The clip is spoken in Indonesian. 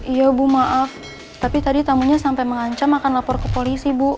iya bu maaf tapi tadi tamunya sampai mengancam akan lapor ke polisi bu